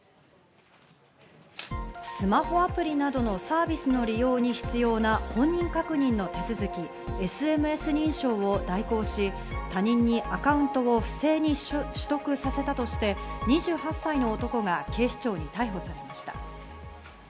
スマホアプリなどのサービスの利用に必要な本人確認の手続き、ＳＭＳ認証を代行し、他人にアカウントを不正に取得させたとして２８歳の男が警視庁に逮捕されました。